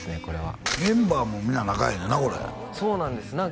これはメンバーも皆仲ええねんなそうなんです